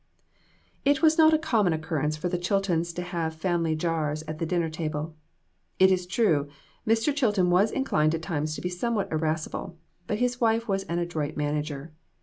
IT was not a common occurrence for the Chil tons to have family jars at the dinner table. It is true, Mr. Chilton was inclined at times to be somewhat irascible, but his wife was an adroit manager.